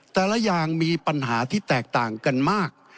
แต่ละอย่างมีปัญหาที่แตกต่างกันมาก